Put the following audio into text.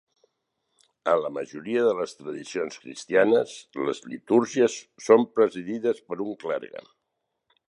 A la majoria de les tradicions cristianes, les litúrgies són presidides per un clergue.